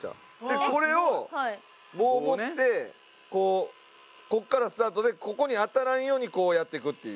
これを棒持ってこうここからスタートでここに当たらんようにこうやっていくっていう。